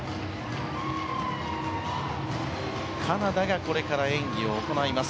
カナダがこれから演技を行います。